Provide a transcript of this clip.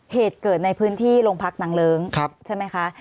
เหตุเกิดในพื้นที่โรงพักนางเลิ้งใช่ไหมคะ